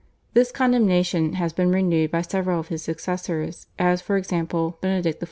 This condemnation has been renewed by several of his successors, as for example Benedict XIV.